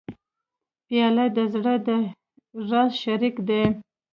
پیاله د زړه د راز شریک دی.